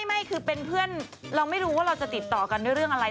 ไม่คือเป็นเพื่อนเราไม่รู้ว่าเราจะติดต่อกันด้วยเรื่องอะไร